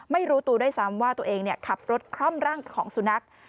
ไม่รู้ตัวด้วยซ้ำว่าตัวเองขับรถคล่อมร่างของสุนัข